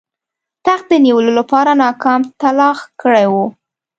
تخت د نیولو لپاره ناکام تلاښ کړی وو.